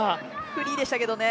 フリーでしたけどね。